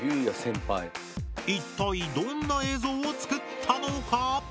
一体どんな映像を作ったのか？